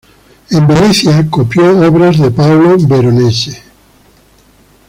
En Venecia, copió obras de Paolo Veronese.